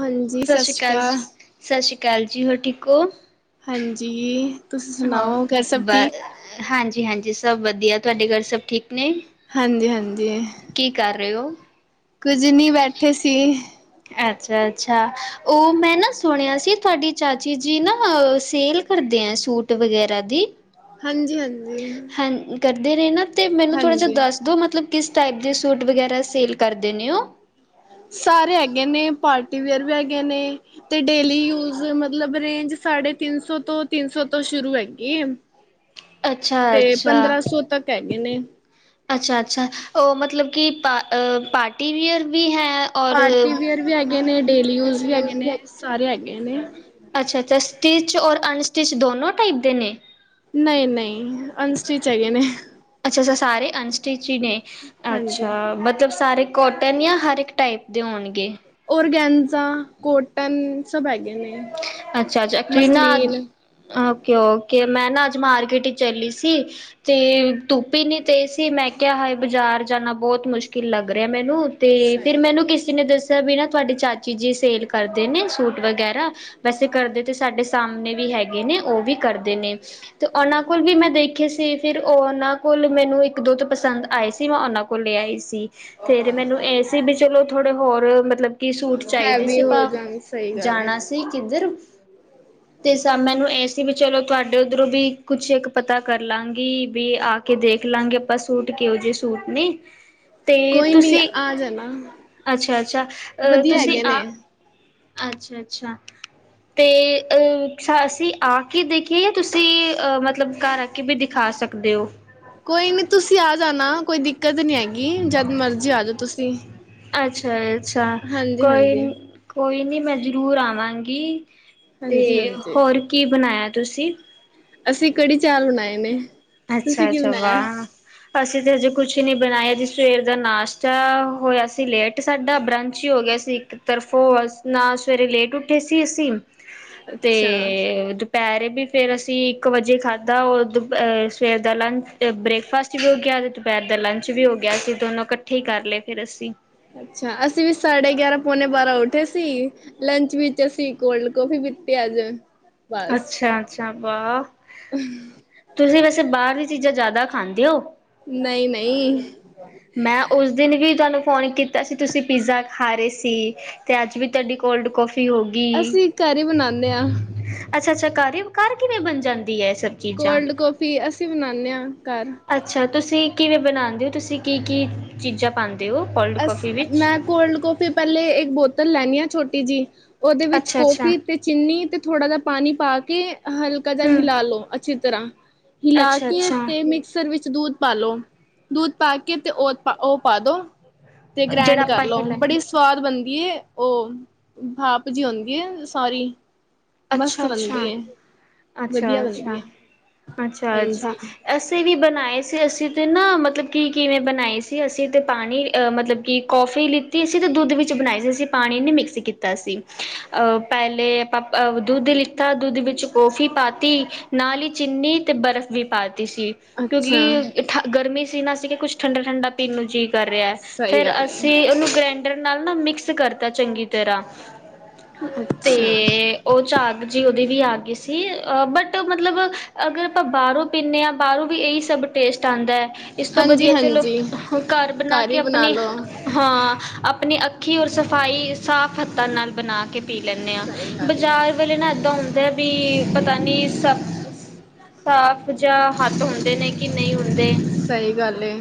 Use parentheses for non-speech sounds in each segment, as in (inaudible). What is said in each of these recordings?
ਹਾਂਜੀ ਸਤਿ ਸਸ ਸ੍ਰੀ ਸ਼੍ਰੀ ਕਾਲ ਅਕਾਲ ਜੀ। ਸਸ ਸ਼੍ਰੀ ਕਾਲ ਜੀ, ਹੋਰ ਠੀਕ (unintelligible) ਹਾਂਜੀ। ਤੁਸੀਂ ਹੰ, ਸੁਣਾਓ ਘਰ ਸਭ ਬਾ ਠੀਕ ਹਾਂ ਜੀ ਹਾਂਜੀ ਸਭ ਵਧੀਆ, ਤੁਆਡੇ ਘਰ ਸਭ ਠੀਕ? ਨੇ? ਹਾਂਜੀ-ਹਾਂਜੀ। ਕੀ ਕਰ ਰਏ ਔ? ਕੁਝ ਨਈ ਬੈਠੇ ਸੀ। ਅੱਛਾ-ਅੱਛਾ ਔ ਮੈਂ ਨਾ ਸੁਣਿਆ ਸੀ ਤੁਆਡੀ ਚਾਚੀ ਜੀ ਨਾ ਅ ਸੇਲ ਕਰਦੇ ਐਂ ਸੂਟ ਵਗੈਰਾ ਦੀ। ਹਾਂਜੀ-ਹਾਂਜੀ। ਹਾਂ ਕਰਦੇ ਰੇ ਨਾ ਤੇ ਮੈਨੂੰ ਥੋੜਾ ਜਿਆ ਦੱਸ ਦੋ ਮਤਲਬ ਕਿਸ ਟਾਈਪ ਦੇ ਸੂਟ ਵਗੈਰਾ ਸੇਲ ਕਰਦੇ ਨੇ ਔ? ਸਾਰੇ ਹੈਗੇ ਨੇ ਪਾਰ ਟੀ ਵੀਅਰ ਵੀ ਹੈਗੇ ਨੇ ਤੇ ਡੇਲੀ ਯੂਜ ਮਤਲਬ ਰੇਂਜ ਸਾਢੇ ਤਿੰਨ ਸੌ ਤੋਂ ਤਿੰਨ ਸੌ ਤੋਂ ਸ਼ੁਰੂ ਹੈਗੇ ਅੱਛਾ ਤੇ ਪੰਦਰਾਂ ਸੌ ਤੱਕ ਕਹਿਗੇ ਨੇ ਅੱਛਾ-ਅੱਛਾ, ਔ ਮਤਲਬ ਕਿ ਪਾ ਅ ਪਾਰਟੀਵਅਰ ਵੀ ਹੈ। ਔਰ ਪਾਰਟੀਵੀਅਰ ਵੀ ਹੈਗੇ ਨੇ, ਡੇਲੀ ਯੂਜ ਵੀ ਹੈਗੇ ਨੇ, ਸਾਰੇ ਹੈਗੇ ਨੇ ਅੱਛਾ ਅੱਛਾ ਸਟਿਚ ਔਰ ਅਨਸਟਿਚ ਦੋਨੋਂ ਟਾਈਪ ਦੇ ਨੇ? ਨਈ-ਨਈ ਅਨਸਟਿਚ ਹੈਗੇ ਨੇ। ਅੱਛਾ-ਅੱਛਾ ਸਾਰੇ ਅਨਸਟਿ ਚ ਈ ਨੇ। ਹਾਂਜੀ ਅੱਛਾ, ਮਤਲਬ ਸਾਰੇ ਕੋਟਨ ਜਾਂ ਹਰ ਇੱਕ ਟਾਈਪ ਦੇ ਹੋਣਗੇ। ਔਰ ਗਨਜ਼ਾ ਕੋਟਨ, ਸਭ ਹੈਗੇ ਨੇ ਅੱਛਾ-ਅੱਛਾ ਕਲੀਨਾ ਮਸਲੀਨ ਓਕੇ ਓਕੇ, ਮੈਂ ਨਾ ਅੱਜ ਮਾਰਕੀਟ ਹੀ ਚੱਲੀ ਸੀ ਤੇ ਧੁੱਪ ਨੀ ਤੇ ਸੀ ਮੈਂ ਕਿਹਾ ਹਾਏ ਬਜ਼ਾਰ ਜਾਣਾ ਬਹੁਤ ਮੁਸ਼ਕਿਲ ਲੱਗ। ਰਿਹਾ ਮੈਨੂੰ ਤੇ ਸਹੀ ਫੇਰ ਮੈਨੂੰ ਕਿਸੇ ਨੇ ਦੱਸ ਬਿਨਾਂ ਤੁਹਾਡੇ ਚਾਚੀ ਜੀ ਸੇਲ ਕਰਦੇ ਨੇ ਸੂਟ ਵਗੈਰਾ ਵੈਸੇ ਕਰਦੇ ਤੇ ਸਾਡੇ ਸਾਹਮਣੇ ਵੀ ਹੈਗੇ ਨੇ ਉਹ ਵੀ ਕਰਦੇ ਨੇ ਤੇ ਉਹਨਾਂ ਕੋਲ ਵੀ ਮੈਂ ਦੇਖੇ ਸੀ ਫਿਰ ਉਹਨਾਂ ਕੋਲ ਮੈਨੂੰ ਇੱਕ ਦੋ ਤੋਂ ਪਸੰਦ ਆਏ ਸੀ ਮੈਂ ਉਹਨਾਂ ਕੋਲ ਲੈ ਆਈ ਸੀ। ਫੇਰ ਮੈਨੂੰ ਇਹ ਸੀ ਵੀ ਚਲੋ ਥੋੜੇ ਹੋਰ ਮਤਲਬ ਕਿ ਸੂਟ ਗੱਲ ਚਾਹੀਦੇ ਹੈਵੀ ਸੀ ਹੋ ਆਪ ਜਾਣ ਸਹੀ ਗੱਲ ਹੈ ਜਾਣਾ ਸੀ ਕਿੱਧਰ ਤੇ ਸ ਮੈਨੂੰ ਇਸ ਅਸੀਂ ਵੀ ਚਲੋ ਤੁਹਾਡੇ ਉੱਧਰੋਂ ਵੀ ਕੁਛ ਇੱਕ ਪਤਾ ਕਰ ਲਾਂਗੀ ਵੀ ਆ ਕੇ ਦੇਖ ਲਾਂਗੇ ਆਪਾਂ ਸੂਟ ਕਿਹੋ ਜਿਹੇ ਸੂਟ ਨੇ, ਕੋਈ ਨੀ ਆ ਜਾਣਾ, ਅੱਛਾ-ਅੱਛਾ ਅ ਵਧੀਆ ਤੁਸੀਂ ਹੈਗੇ ਆ, ਨੇ ਅੱਛਾ-ਅੱਛਾ ਤੇ ਅਹ ਅਸੀਂ ਆ ਕੇ ਦੇਖੀਏ ਜਾਂ ਤੁਸੀਂ ਅਹ ਮਤਲਬ ਘਰ ਆ ਕੇ ਵੀ ਦਿਖਾ ਸਕਦੇ ਹੋ। ਕੋਈ ਨੀ ਤੁਸੀਂ ਆ ਜਾਣਾ ਕੋਈ ਦਿੱ ਦਿੱਕਤ ਨੀ ਹੈਗੀ ਜਦ ਮਰਜੀ ਆ ਜਾਓ ਤੁਸੀਂ ਅੱਛਾ, ਅੱਛਾ ਹਾਂਜੀ ਕੋਈ ਹਾਂਜੀ ਕੋਈ ਨੀ, ਮੈਂ ਜ਼ਰੂਰ ਆਵਾਂਗੀ। ਤੇ ਹਾਂਜੀ ਹਾਂਜੀ ਹੋਰ ਕੀ ਬਣਾਇਆ? ਤੁਸੀਂ, ਅਸੀਂ ਕੜੀ ਚਾਲ ਬਣਾਏ ਨੇ, ਤੁਸੀਂ ਕੀ ਅੱਛਾ-ਅੱਛਾ ਬਣਾਇਆ ਵਾਹ, ਅਸੀਂ ਤਾਂ ਹਜੇ ਕੁਛ ਹੀ ਨਹੀਂ ਬਣਾਇਆ ਜੀ ਸਵੇਰ ਦਾ ਨਾਸ਼ਤਾ ਹੋਇਆ ਸੀ ਲੇਟ ਸਾਡਾ ਬਰੰਚ ਹੀ ਹੋ ਗਿਆ ਸੀ ਇੱਕ ਤਰਫੋਂ ਨਾ ਸਵੇਰੇ ਲੇਟ ਉੱਠੇ ਸੀ ਅਸੀਂ, ਅੱਛਾ ਤੇ, ਦੁਪਹਿਰੇ ਵੀ ਫੇਰ ਅਸੀਂ ਇੱਕ ਵਜੇ ਖਾਧਾ ਉਹ ਦੁ ਸਵੇਰ ਦਾ ਲੰਚ ਬ੍ਰੇਕਫਾਸਟ ਵੀ ਹੋ ਗਿਆ ਅਤੇ ਦੁਪਹਿਰ ਦਾ ਲੰਚ ਵੀ ਹੋ ਗਿਆ ਅਸੀਂ ਦੋਨੋਂ ਇਕੱਠੇ ਹੀ ਕਰ ਲਏ ਫਿਰ ਅਸੀਂ, ਅੱਛਾ ਅਸੀਂ ਵੀ ਸਾਡੇ ਗਿਆਰਾਂ ਪੌਣੇ ਬਾਰਾਂ ਉੱਠੇ ਸੀ ਲੰਚ ਵਿੱਚ ਅਸੀਂ ਕੋਲਡ ਕੋਫੀ ਪੀਤੀ ਅੱਜ, ਬਸ ਅੱਛਾ-ਅੱਛਾ, ਵਾਹ ਤੁਸੀਂ ਵੈਸੇ ਬਾਹਰਲੀ ਚੀਜ਼ਾਂ, ਜ਼ਿਆਦਾ ਖਾਂਦੇ ਹੋ? ਨਹੀਂ-ਨਹੀਂ, ਮੈਂ ਉਸ ਦਿਨ ਵੀ ਤੁਹਾਨੂੰ, ਫੋਨ ਕੀਤਾ ਸੀ ਤੁਸੀਂ ਪੀਜ਼ਾ ਖਾ ਰਹੇ ਸੀ ਤੇ ਅੱਜ ਵੀ ਤੁਹਾਡੀ ਕੋਲਡ ਕੋਫੀ ਅਸੀਂ ਘਰ ਬਣਾਨੇ ਆ, ਅੱਛਾ ਅੱਛਾ ਘਰ ਘਰ ਕਿਵੇਂ ਬਣ ਜਾਂਦੀ ਹੈ। ਸਭ ਚੀਜ਼ਾਂ ਕੋਲਡ ਕੌਫੀ ਅਸੀਂ ਬਨਾਣੇ ਹਾਂ। ਘਰ ਅੱਛਾ ਤੁਸੀਂ ਕਿਵੇਂ ਬਣਾਉਂਦੇ ਹੋ ਤੁਸੀਂ ਕੀ ਕੀ ਚੀਜ਼ਾਂ ਪਾਉਂਦੇ ਹੋ ਕੋਲਡ ਅਸ ਕੌਫੀ ਵਿੱਚ ਮੈਂ ਕੋਲਡ ਕਫੀ ਪਹਿਲੇ ਇੱਕ ਬੋਤਲ ਲੈਦੀ ਹਾਂ ਛੋਟੀ ਜਿਹੀ ਉਹਦੇ ਵਿੱਚ ਅੱਛਾ-ਅੱਛਾ ਕੋਫੀ ਤੇ ਚੀਨੀ ਅਤੇ ਥੋੜ੍ਹਾ ਜਿਹਾ ਪਾਣੀ ਪਾ ਕੇ ਹਲਕਾ ਜਿਹਾ ਹਮ ਹਿਲਾ ਲੋ ਅੱਛੀ ਤਰ੍ਹਾਂ ਹਿਲਾ ਕੇ ਅੱਛਾ-ਅੱਛਾ ਤੇ ਮਿਕਸਰ ਵਿੱਚ ਦੁੱਧ ਪਾਲੋ ਦੁੱਧ ਪਾ ਕੇ ਤੇ ਉਹ ਉਹ ਪਾ ਦੋ। ਤੇ ਗ੍ਰੈਂਡ ਜਿਹੜਾ ਕਰ ਆਪਾਂ ਲੋ ਇਹ ਲੈ ਬੜੀ ਸਵਾਦ ਬਣਦੀ ਐ। ਉਹ ਭਾਪ ਜੀ ਆਉਂਦੀ ਹੈ ਸੋਰੀ ਅੱਛਾ, ਅੱਛਾ, ਅੱਛਾ, ਵਧੀਆ ਬਣਦੀ ਅੱਛਾ, ਏ ਅੱਛਾ, ਅੱਛਾ ਹਾਂਜੀ ਐਸੇ ਵੀ ਬਣਾਏ ਸੀ ਅਸੀਂ ਤਾਂ ਨਾ ਮਤਲਬ ਕਿ ਕਿਵੇਂ ਬਣਾਈ ਸੀ ਅਸੀਂ ਤੇ ਪਾਣੀ ਮਤਲਬ ਕਿ ਕੌਫੀ ਲਿੱਤੀ ਅਸੀ ਤੇ ਦੁੱਧ ਵਿੱਚ ਬਣਾਈ ਸੀ ਅਸੀਂ ਪਾਣੀ ਨਹੀਂ ਮਿਕਸ ਕੀਤਾ ਸੀ ਪਹਿਲੇ ਆਪਾਂ ਅ ਦੁੱਧ ਲਿੱਤਾ ਦੁੱਧ ਵਿੱਚ ਕੌਫੀ ਪਾਤੀ ਨਾਲ ਹੀ ਚੀਨੀ ਤੇ ਬਰਫ਼ ਵੀ ਪਾਤੀ ਸੀ ਅੱਛਾ। ਕਿਉਂਕਿ ਗਰਮੀ ਸੀ ਸੀ ਨਾ ਸੀ ਕਿ ਕੁਛ ਠੰਡਾ ਠੰਡਾ ਪੀਣ ਨੂੰ ਜੀ ਕਰ ਰਿਹਾ ਸਹੀ ਫੇਰ ਗੱਲ ਏ ਅਸੀਂ ਉਹਨੂੰ ਗ੍ਰੈਂਡਰ ਨਾਲ ਨਾ ਮਿਕਸ ਕਰਤਾ ਚੰਗੀ ਤਰ੍ਹਾਂ ਤੇ ਅੱਛਾ। ਝਾਗ ਜੀ ਉਹਦੀ ਵੀ ਆ ਗਈ ਸੀ ਬਟ ਮਤਲਬ ਅਗਰ ਆਪਾਂ ਬਾਹਰੋਂ ਪੀਂਦੇ ਹਾਂ ਬਾਹਰੋਂ ਵੀ ਇਹੀ ਸਭ ਟੇਸਟ ਆਉਂਦਾ। ਇਸ ਤੋਂ ਵਧੀਆ ਚਲੋ ਹਾਂਜੀ-ਹਾਂਜੀ ਘਰ ਬਣਾ ਕੇ ਆਪਣੇ ਹਾਂ ਆਪਣੀ ਅੱਖੀਂ ਔਰ ਸਫਾਈ ਸਾਫ ਹੱਥਾਂ ਨਾਲ ਬਣਾ ਕੇ ਪੀ ਲੈਂਣੇ ਹਾਂ। ਸਹੀ ਗੱਲ ਏ। ਬਾਜ਼ਾਰ ਵਾਲੇ ਨਾ ਇਦਾ ਵੀ ਪਤਾ ਨੀ ਸ ਸਾਫ਼ ਜਾਂ ਹੱਥ ਹੁੰਦੇ ਨੇ ਕਿ ਨਹੀਂ ਹੁੰਦੇ ਸਹੀ ਗੱਲ ਏ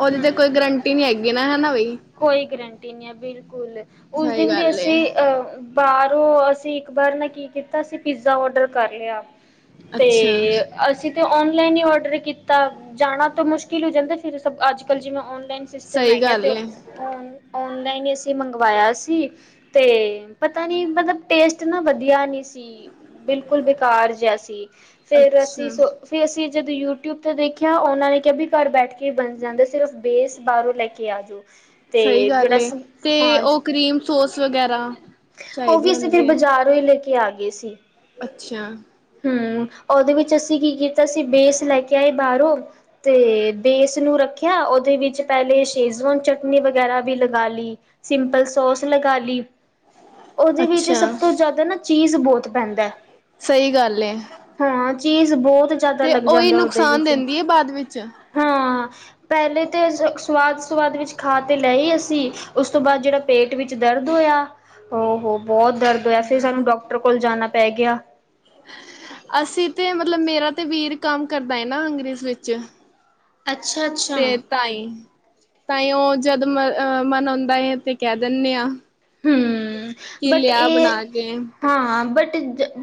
ਉਹਦੀ ਤੇ ਕੋਈ ਹਮ ਗਰੰਟੀ ਨਹੀਂ ਹੈਗੀ। ਹਨਾ ਬਾਈ। ਕੋਈ ਗਰੰਟੀ ਆ ਬਿਲਕੁਲ ਉਸ ਸਹੀ ਦਿਨ ਵੀ ਗੱਲ ਏ। ਅਸੀਂ ਅਹ ਬਾਹਰੋਂ ਅਸੀਂ ਅਕਬਰ ਨੇ ਕੀ ਕੀਤਾ ਸੀ ਪੀਜ਼ਾ ਔਡਰ ਕਰ ਲਿਆ ਤੇ ਅੱਛਾ ਅਸੀਂ ਤੇ ਔਨਲਾਈਨ ਹੀ ਔਡਰ ਕੀਤਾ ਜਾਣਾ ਤਾਂ ਮੁਸ਼ਕਿਲ ਹੋ ਜਾਂਦਾ ਫਿਰ ਸਭ ਅੱਜ -ਕੱਲ ਜਿਵੇਂ ਔਨ ਨ ਸਿਸਟਮ ਸਹੀ ਹੈਗਾ ਗੱਲ ਤੇ ਏ ਹੁਣ ਆ ਔਨਲਾਈਨ ਅਸੀ ਮੰਗਵਾਇਆ ਸੀ ਤੇ ਪਤਾ ਨੀ ਮਤਲਬ ਟੇਸਟ ਨਾ ਵਧੀਆ ਨੀ ਸੀ, ਬਿਲਕੁਲ ਬੇਕਾਰ ਜਿਹਾ ਸੀ। ਫੇਰ ਅੱਛਾ ਅਸੀਂ ਸੋ ਫਰ ਅਸੀਂ ਜਦੋਂ ਯੂਟਿਊਬ ਤੇ ਦੇਖਿਆ ਉਹਨਾਂ ਨੇ ਕਿਹਾ ਵੀ ਘਰ ਬੈਠ ਕੇ ਹੀ ਬਣ ਜਾਂਦਾ, ਸਿਰਫ਼ ਬੇਸ ਬਾਹਰੋਂ ਲੈ ਕੇ ਆ ਜੋ। ਸਹੀ ਗੱਲ ਏ ਤੇ ਉਹ ਕਰੀਮ ਸੋਸ ਵਗੈਰਾ ਉਹ ਚਾਹੀਦੀ ਵੀ ਅਸੀਂ ਫਿਰ ਬਾਜ਼ਾਰੋ ਈ ਲੈ ਕੇ ਆ ਗਏ ਸੀ। ਅੱਛਾ, ਹੂੰ ਉਹਦੇ ਵਿੱਚ ਅਸੀਂ ਕੀ ਕੀਤਾ ਸੀ ਬੇਸ ਲੈ ਕੇ ਆਏ ਬਾਹਰੋਂ ਤੇ ਬੇਸ ਨੂੰ ਰੱਖਿਆ, ਉਹਦੇ ਵਿੱਚ ਪਹਿਲੇ ਸ਼ੇਜ਼ਵਾਨ ਚਟਨੀ ਵਗੈਰਾ ਵੀ ਲਗਾ ਲੀ, ਸਿੰਪਲ ਸੋਸ ਲਗਾ ਲੀ। ਉਹਦੇ ਵਿੱਚ ਸਭ ਤੋਂ ਜ਼ਿਆਦਾ ਨਾ ਚੀਜ਼ ਬਹੁਤ ਪੈਂਦਾ ਸਹੀ ਗੱਲ ਏ ਹਾਂ। ਚੀਜ਼ ਬਹੁਤ ਜ਼ਿਆਦਾ ਤੇ ਲੱਗ ਉਹੀ ਜਾਂਦਾ ਉਹਦੇ ਨੁਕਸਾਨ ਵਿੱਚ ਦਿੰਦੀ ਐ, ਬਾਅਦ ਵਿੱਚ ਹਾਂ। ਪਹਿਲੇ ਤਾਂ ਸਵਾਦ ਸੁਵਾਦ ਵਿੱਚ ਖਾ ਤੇ ਲਏ ਹੀ ਅਸੀਂ ਉਸ ਤੋਂ ਬਾਅਦ ਜਿਹੜਾ ਪੇਟ ਵਿੱਚ ਦਰਦ ਹੋਇਆ ਹੋ, ਹੋ ਬਹੁਤ ਦਰਦ ਹੋਇਆ ਸੀ, ਸਾਨੂੰ ਡਾਕਟਰ ਕੋਲ ਜਾਣਾ ਪੈ ਗਿਆ। ਅਸੀਂ ਤੇ ਮਤਲਬ ਮੇਰਾ ਤੇ ਵੀਰ ਕੰਮ ਕਰਦਾ ਨਾ ਅੰਗਰੇਜ਼ ਵਿੱਚ ਤੇ ਅੱਛਾ-ਅੱਛਾ। ਤਾਈ ਤਾਂਈ ਉਹ ਜਦ ਮੈ ਅ ਮਨ ਆਉਂਦਾ ਹੈ ਤੇ ਕਹਿ ਦਿੰਦੇ ਹਾਂ ਹੂੰ। ਬਟ ਇਹ ਕੇ ਹਾਂ ਬਟ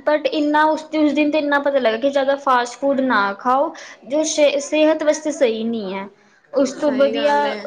ਬਟ ਇੰਨਾ ਉਸ ਉਸ ਦਿਨ ਤੇ ਇੰਨਾ ਪਤਾ ਲੱਗਾ ਕਿ ਜ਼ਿਆਦਾ ਫਾਸਟ ਫੂਡ ਨਾ ਖਾਓ, ਜੋ ਸਿ ਸਿਹਤ ਵਾਸਤੇ ਸਹੀ ਨਹੀ ਏ। ਉਸ ਤੋਂ ਸਹੀ ਵਧੀਆ ਗੱਲ ਹੈ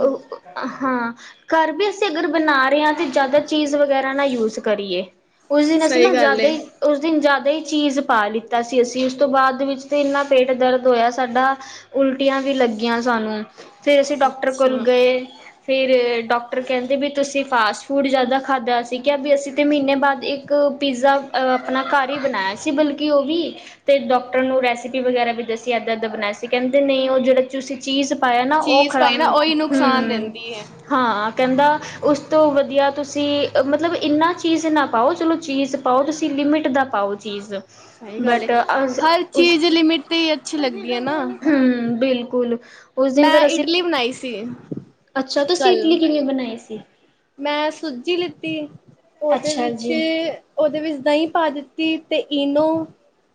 ਹਾਂ ਘਰ ਵੀ ਅਸੀਂ ਅਗਰ ਬਣਾ ਰਹੇ ਹਾਂ ਤੇ ਜ਼ਿਆਦਾ ਚੀਜ਼ ਵਗੈਰਾ ਨਾ ਯੂਜ ਕਰੀਏ। ਉਸ ਦਿਨ ਅਸੀਂ ਨਾ ਸਹੀ ਗੱਲ ਜ਼ਿਆਦਾ ਏ। ਹੀ ਉਸ ਦਿਨ ਜਾਦਾ ਜਾਦਾ ਹੀ ਚੀਜ਼ ਪਾ ਲਿੱਤਾ ਸੀ ਅਸੀਂ ਉਸ ਤੋਂ ਬਾਅਦ ਵਿੱਚ ਤਾਂ ਇੰਨਾ ਪੇਟ ਦਰਦ ਹੋਇਆ ਸਾਡਾ ਉਲਟੀਆਂ ਵੀ ਲੱਗੀਆਂ ਸਾਨੂੰ। ਫਿਰ ਅਸੀਂ ਡਾਕਟਰ ਕੋਲ ਅੱਛਾ ਗਏ, ਫਿਰ ਡਾਕਟਰ ਕਹਿੰਦੇ ਵੀ ਤੁਸੀਂ ਫਾਸ ਫੂਡ ਜ਼ਿਆਦਾ ਖਾਧਾ ਸੀ, ਕਿਆ ਵੀ ਅਸੀਂ ਤਾਂ ਮਹੀਨੇ ਬਾਅਦ ਇੱਕ ਪੀਜ਼ਾ ਅਹ ਆਪਣਾ ਘਰ ਹੀ ਬਣਾਇਆ ਸੀ ਬਲਕਿ ਉਹ ਵੀ ਤੇ ਡਾਕਟਰ ਨੂੰ ਰੈਸਪੀ ਵਗੈਰਾ ਵੀ ਦੱਸੀ ਏਦਾਂ ਏਦਾਂ ਬਣਾਇਆ ਸੀ ਕਹਿੰਦੇ ਨਹੀਂ ਉਹ ਜਿਹੜਾ ਤੁਸੀਂ ਚੀਜ਼ ਪਾਇਆ ਨਾ ਉਹ ਚੀਜ਼ ਪਾਈ ਖਰਾਮ ਨਾ ਉਹੀ ਨੁਕਸਾਨ ਹੂੰ ਦਿੰਦੀ ਹੈ ਹਾਂ ਕਹਿੰਦਾ ਉਸ ਤੋਂ ਵਧੀਆ ਤੁਸੀਂ ਮਤਲਬ ਇੰਨਾ ਚੀਜ਼ ਨਾ ਪਾਓ ਚਲੋ ਚੀਜ਼ ਪਾਓ ਤੁਸੀਂ ਲਿਮਿਟ ਦਾ ਪਾਓ ਚੀਜ਼ ਸਹੀ ਗੱਲ ਏ ਬਟ ਹਰ ਚੀਜ਼ ਲਿਮਿਟ ਤੇ ਹੀ ਅੱਛੀ ਲੱਗਦੀ ਹੈ ਨਾ ਹੂੰ ਬਿਲਕੁਲ ਉਸ ਦਿਨ ਮੈਂ ਫੇਰ ਅਸੀਂ ਇਡਲੀ ਬਣਾਈ ਸੀ ਅੱਛਾ ਤੁਸੀਂ ਕੱਲ ਇਡਲੀ ਕਿਵੇਂ ਬਣਾਈ ਸੀ ਮੈਂ ਸੂਜੀ ਲਿੱਤੀ ਉਹਦੇ ਅੱਛਾ ਵਿੱਚ ਜੀ ਉਹਦੇ ਵਿੱਚ ਦਹੀਂ ਪਾ ਦਿੱਤੀ ਅਤੇ ਇਨੂੰ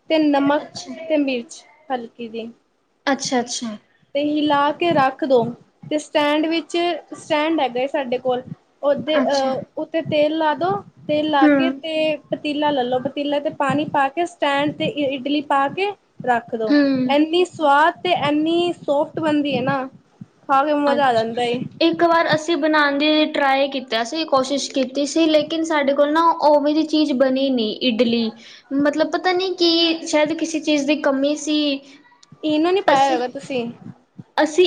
ਤੇ ਨਮਕ ਅੱਛਾ, ਅਤੇ ਮਿਰਚ ਹਲ (unintelligible) ਅੱਛਾ, ਤੇ ਹਿਲਾ ਕੇ ਰੱਖ ਦੋ ਤੇ ਸਟੈਂਡ ਵਿੱਚ ਸਟੈਂਡ ਹੈਗਾ ਸਾਡੇ ਕੋਲ ਉਹਦੇ ਅੱਛਾ, ਅਹ ਉੱਥੇ ਤੇਲ ਲਾਦੋ ਤੇਲ ਲਾ ਕੇ ਹੂੰ, ਤੇ ਪਤੀਲਾ ਲੈਲੋ ਪਤੀਲੇ ਤੇ ਪਾਣੀ ਪਾ ਕੇ ਸਟੈਂਡ ਤੇ ਇਟਲੀ ਪਾ ਕੇ ਰੱਖਦੋ ਹੂੰ, ਇੰਨੀ ਸਵਾਦ ਅਤੇ ਇੰਨੀ ਸੋਫਟ ਬਣਦੀ ਹੈ ਨਾ ਖਾ ਕੇ ਮਜ਼ਾ ਆ ਜਾਂਦਾ ਏ ਅੱਛਾ ਇੱਕ ਵਾਰ ਅਸੀਂ ਬਣਾਦੇ ਟਰਾਈ ਕੀਤਾ ਸੀ ਕੋਸ਼ਿਸ਼ ਕੀਤੀ ਸੀ ਲੇਕਿਨ ਸਾਡੇ ਕੋਲ ਨਾ ਉਵੇਂ ਦੀ ਚੀਜ਼ ਬਣੀ ਨਹੀਂ ਇਡਲੀ ਮਤਲਬ ਪਤਾ ਨੀ ਕਿ ਸ਼ਾਇਦ ਕਿਸੇ ਚੀਜ਼ ਦੀ ਕਮੀ ਸੀ ਇਨੂੰ ਨੀ ਪਾਇਆ ਹੋਏਗਾ ਤੁਸੀਂ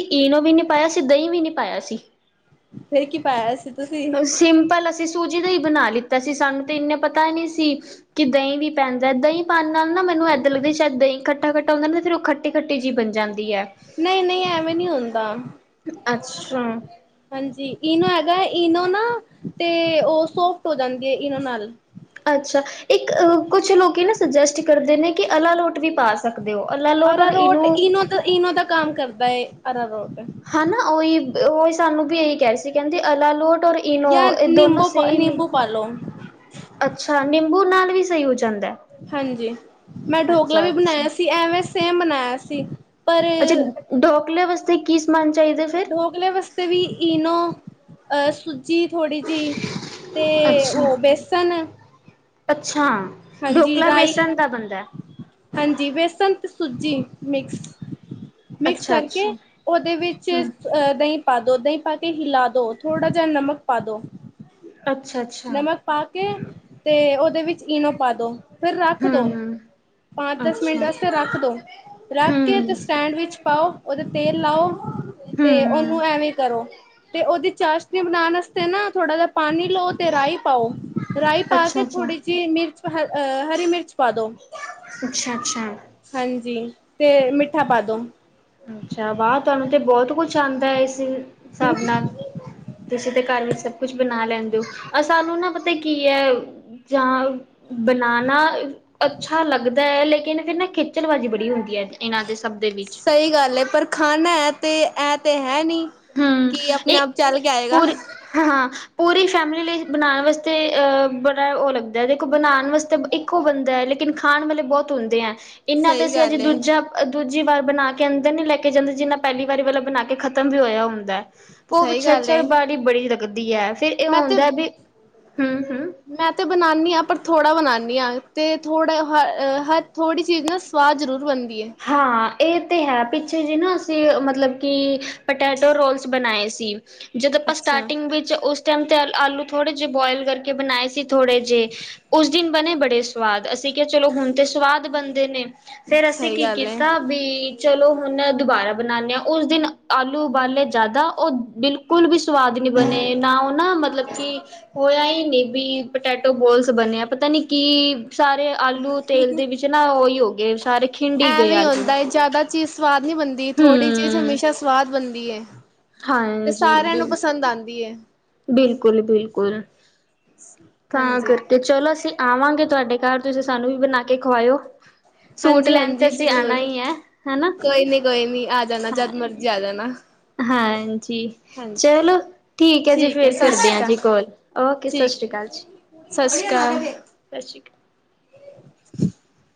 ਇਨੂੰ ਵੀ ਨੀ ਪਾਇਆ ਸੀ ਦਹੀਂ ਵੀ ਨਹੀਂ ਪਾਇਆ ਸੀ ਫੇਰ ਕੀ ਪਾਇਆ ਸੀ ਤੁਸੀਂ ਸਿੰਪਲ ਅਸੀਂ ਸੂ ਜੀ ਦਾ ਹੀ ਬਣਾ ਲਿੱਤਾ ਸੀ ਸਾਨੂੰ ਤੇ ਇੰਨੇ ਪਤਾ ਨਹੀਂ ਸੀ ਕਿ ਦਹੀਂ ਵੀ ਪੈਂਦਾ ਦਹੀਂ ਪਾਉਣ ਨਾਲ ਨਾ ਮੈਨੂੰ ਇੱਦਾਂ ਲੱਗਦਾ ਸ਼ਾਇਦ ਦਹੀਂ ਖੱਟਾ ਖੱਟਾ ਹੁੰਦਾ ਨਾ ਫੇਰ ਉਹ ਖੱਟੀ ਖੱਟੀ ਜਿਹੀ ਬਣ ਜਾਂ ਨਹੀਂ ਨਹੀਂ ਐਵੇਂ ਨੀ ਹੁੰਦਾ ਅੱਛਾ। ਹਾਂਜੀ ਇਨੂੰ ਹੈਗਾ ਇਨੂੰ ਨਾ ਤੇ ਉਹ ਸੋਫਟ ਹੋ ਜਾਂਦੀ ਹੈ ਇਨੂੰ ਨਾਲ ਅੱਛਾ ਇੱਕ ਕੁੱਛ ਲੋਕੀ ਨਾ ਸੁਜੈਸਟ ਕਰਦੇ ਨੇ ਕਿ ਅਲਾ ਲੋ ਅਰਾ ਰੋਟ ਇਨੋ ਦਾ ਇਨੋ ਦਾ ਕੰਮ ਕਰਦਾ ਹੈ ਅਰਾਰੋਟ ਹਨਾ ਉਹੀ ਉਹੀ ਸਾਨੂੰ ਵੀ ਇਹੀ ਕਿਹਾ ਸੀ ਕਹਿੰਦੇ ਅਲਾਲੋਟ ਔਰ ਇਨੋ ਜਾਂ ਇਹ ਦੋਨੋ ਨਿੰਬੂ ਸੇਮ ਹੀ, ਨਿੰਬੂ ਪਾ ਲੋ ਅੱਛਾ ਨਿੰਬੂ ਨਾਲ ਵੀ ਸਹੀ ਹੋਜੋ ਹਾਂਜੀ, ਮੈਂ ਡੋਕਲਾ ਅੱਛਾ ਵੀ ਅੱਛਾ ਬਣਾਇਆ ਸੀ ਐਵੇਂ ਸੇਮ ਬਨਾਇਆ ਸੀ। ਪਰ ਅੱਛਾ ਡੋਕਲੇ ਵਾਸਤੇ ਕੀ ਸਮਾਨ ਚਾਹੀਦਾ ਫਿਰ ਡੋਕਲੇ ਵਾਸਤੇ ਵੀ ਈਨੋ ਅਹ ਸੂਜੀ ਥੋੜ੍ਹੀ ਜੀ, ਤੇ ਅੱਛਾ ਉਹ ਬੇਸਨ ਹਾਂਜੀ ਡੋਕਲਾ ਰਾਈ ਬੇਸਣ ਦਾ ਬਣਦਾ। ਹਾਂਜੀ ਬੇਸਨ ਤੇ ਸੂਜੀ ਮਿਕਸ। ਮਿਕਸ ਅੱਛਾ ਕਰਕੇ ਅੱਛਾ ਉਹਦੇ ਵਿੱਚ ਹਮ ਆ ਦਹੀਂ ਪਾ ਦੋ ਦਹੀਂ ਪਾ ਕੇ ਹਿਲਾ ਦੋ ਥੋੜਾ ਜਿਹਾ ਨਮਕ ਪਾ ਦੋ। ਅੱਛਾ-ਅੱਛਾ। ਨਮਕ ਪਾ ਕੇ, ਤੇ ਉਹਦੇ ਵਿੱਚ ਈਨੋ ਪਾ ਦੋ। ਫਿਰ ਰੱਖ ਦੋ, ਹਮ ਪੰਜ-ਦਸ ਮਿੰਟ ਅੱਛਾ ਵਾਸਤੇ ਰੱਖ ਦੋ, ਰੱਖ ਕੇ ਹਮ ਤੇ ਸਟੈਂਡ ਵਿੱਚ ਪਾਓ ਉਹ 'ਤੇ ਤੇਲ ਲਾਓ। ਤੇ ਉਹਨੂੰ ਹਮ ਐਵੇਂ ਕਰੋ। ਤੇ ਉਹਦੀ ਚਾਸ਼ਨੀ ਬਣਾਉਣ ਵਾਸਤੇ ਨਾ ਥੋੜਾ ਜਾ ਪਾਣੀ ਲਓ ਤੇ ਰਾਈ ਪਾਓ। ਰਾਈ ਪਾ ਅੱਛਾ ਕੇ ਅੱਛਾ ਥੋੜੀ ਜਿਹੀ ਮਿਰਚ ਆ ਹਰੀ ਮਿਰਚ ਪਾ ਦੋ। ਅੱਛਾ-ਅੱਛਾ। ਹਾਂਜੀ ਤੇ ਮਿੱਠਾ ਪਾ ਦੋ। ਅੱਛਾ ਵਾਹ ਤੁਹਾਨੂੰ ਤੇ ਬਹੁਤ ਕੁਛ ਆਉਂਦਾ ਹੈ ਇਸ ਹਿਸਾਬ ਨਾਲ, ਤੁਸੀਂ ਤੇ ਘਰ ਵਿੱਚ ਸਭ ਕੁਛ ਬਣਾ ਲੈਂਦੇ ਹੋ। ਆ ਸਾਨੂੰ ਨਾ ਪਤਾ ਕੀ ਕੀ ਹੈ ਜਾਂ ਬਣਾਣਾ ਅੱਛਾ ਲੱਗਦਾ ਹੈ ਲੇਕਿਨ ਫੇਰ ਨਾ ਖੇਚਲਬਾਜ਼ੀ ਬੜੀ ਹੁੰਦੀ ਹੈ। ਇਹਨਾਂ ਦੇ ਸਭ ਦੇ ਵਿੱਚ। ਸਹੀ ਗੱਲ ਹੈ ਪਰ ਖਾਣਾ ਹੈ ਤੇ ਐ ਤੇ ਹੈ ਨਹੀਂ, ਹੂੰ ਕਿ ਇਹ ਆਪਣੇ-ਆਪ ਚੱਲ ਕੇ ਆਏਗਾ। ਪੂਰੀ ਹਾਂ ਪੂਰੀ ਫੈਮਿਲੀ ਲਈ ਬਣਾਉਣ ਵਾਸਤੇ ਬੜਾ ਉਹ ਲੱਗਦਾ ਦੇਖੋ ਬਣਾਉਣ ਵਾਸਤੇ ਇੱਕੋ ਬੰਦਾ ਹੈ ਲੇਕਿਨ ਖਾਣ ਵਾਲੇ ਬਹੁਤ ਹੁੰਦੇ ਹੈ। ਇਹਨਾਂ ਤੇ ਸਹੀ ਅਸੀ ਅੱਜ ਗੱਲ ਏ ਦੂਜਾ ਦੂਜੀ ਵਾਰ ਬਣਾ ਕੇ ਅੰਦਰ ਨਹੀਂ ਲੈ ਕੇ ਜਾਂਦੇ ਜਿੰਨਾ ਪਹਿਲੀ ਵਾਰੀ ਵਾਲਾ ਬਣਾ ਕੇ ਖਤਮ ਵੀ ਹੋ ਹ ਭੋ ਸਹੀ ਪਿੱਛੇ ਗੱਲ ਏ ਚਰਬੀ ਬੜੀ ਲਗਦੀ ਹੈ ਫਿਰ ਇਹ ਮੈਂ ਤੇ ਹੁੰਂਦਾ ਵੀ ਹਮ ਹਮ (inaudible) ਮੈਂ ਤੇ ਬਣਾਨੀ ਆ ਪਰ ਥੋੜਾ ਬਣਾਨੀ ਤੇ ਥੋੜਾ ਹਾਂ ਹਰ ਥੋੜੀ ਚੀਜ਼ ਨਾ ਸਵਾਦ ਜਰੂਰ ਬਣਦੀ। ਏ। ਹਾਂ ਇਹ ਤੇ ਹੈ ਪਿੱਛੇ ਜਿਹੇ ਨਾ ਅਸੀਂ ਮਤਲਬ ਕਿ ਪੋਟੈਟੋ ਰੋਲਸ ਬਣਾਏ ਸੀ। ਜਦੋਂ ਆਪਾਂ ਅੱਛਾ, ਸਟਾਰਟਿੰਗ ਵਿੱਚ ਉਸ, ਉਸ ਟਾਈਮ ਤਾਂ ਆਲੂ ਥੋੜ੍ਹੇ ਜਿਹੇ ਬੋਇਲ ਕਰਕੇ ਬਣਾਏ ਸੀ ਥੋੜ੍ਹੇ ਜਿਹੇ ਉਸ ਦਿਨ ਬਣੇ ਬੜੇ ਸਵਾਦ ਅਸੀਂ ਕਿਹਾ ਚਲੋ ਹੁਣ ਤਾਂ ਸਵਾਦ ਬਣਦੇ ਨੇ। ਸਹੀ ਗੱਲ। ਏ। ਕਿਤਾਬੀ ਚਲੋ ਹੁਣ ਦੁਬਾਰਾ ਬਣਾਨੇ ਆ ਉਸ ਦਿਨ ਆਲੂ ਉਬਾਲੇ ਜਿਆਦਾ ਉਹ ਬਿਲਕੁਲ ਵੀ ਸਵਾਦ ਨੀ ਬਣੇ ਨਾ ਉਹ ਨਾ ਮਤਲਬ ਕਿ ਹੋਇਆ ਹੀ। ਵੀ ਪਟੈਟੋ ਬੋਲਸ ਬਣਿਆ ਪਤਾ ਨੀ ਕੀ ਸਾਰੇ ਆਲੂ ਤੇਲ ਦੇ ਵਿੱਚ ਨਾ ਉਹੀ ਹੋ ਗਏ ਸਾਰੇ ਖਿੰਡ ਹੀ ਗਏ ਐਵੇਂ ਹੀ ਆਲੂ ਹੁੰਦਾ ਜਿਆਦਾ ਚੀਜ਼ ਸਵਾਦ ਵਧੀਆ ਬਣਦੀ ਥੋੜ੍ਹੀ ਚੀਜ਼ ਹੂੰ ਹਮੇਸ਼ਾ ਸਵਾਦ ਬਣਦੀ। ਦੀ ਹੈ। ਤੇ ਹਾਂਜੀ ਸਾਰਿਆਂ ਨੂੰ ਬਿਲ ਪਸੰਦ ਆਉਂਦੀ ਹੈ। ਬਿਲਕੁਲ- ਬਿਲਕੁਲ ਤਾਂ ਹਾਂਜੀ, ਕਰਕੇ ਚਲੋ ਅਸੀਂ ਆਵਾਂਗੇ ਤੁਹਾਡੇ ਘਰ ਤੁਸੀਂ ਸਾਨੂੰ ਵੀ ਬਣਾ ਕੇ ਖਵਾਇਓ। ਸੂਟ ਹਾਂਜੀ ਲੈਣ ਤੇ ਹਾਂਜੀ ਅਸੀਂ ਆਣਾ ਜ਼ਰੂਰ ਹੀ ਹੈ ਹਨਾ ਕੋਈ ਨੀ ਕੋਈ ਨੀ ਆ ਜਾਣਾ ਜਦ ਹਾਂ ਮਰਜੀ ਆ ਜਾਣਾ ਹਾਂਜੀ ਹਾਂਜੀ, ਚਲੋ ਠੀਕ ਹੈ ਜੀ ਏ ਫੇਰ ਸਤਿ ਕਰਦੇ ਸ਼੍ਰੀ ਆ ਜੀ ਅਕਾਲ ਕੋਲ ਓਕੇ ਸਤਿ ਠੀਕ ਸ਼੍ਰੀ ਏ ਅਕਾਲ ਜੀ, ਸ਼੍ਰੀ ਅਕਾਲ। ਸਤਿ ਸ਼੍ਰੀ ਅਕਾਲ ਹਮ। (inaudible) (inaudible)